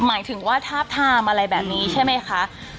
หมายถึงว่าทาบทามอะไรแบบนี้ใช่ไหมคะ